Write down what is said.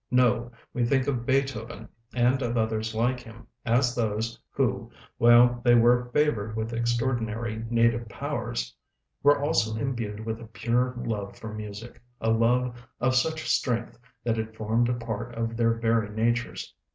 No: we think of Beethoven, and of others like him, as those, who, while they were favored with extraordinary native powers, were also imbued with a pure love for music, a love of such strength, that it formed a part of their very natures.